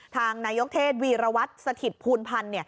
ทางนายกเทศวีรวัตรสถิตภูลพันธ์